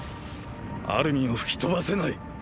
アルミンを吹き飛ばせない。